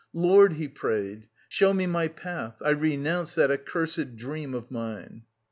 "Lord," he prayed, "show me my path I renounce that accursed... dream of mine."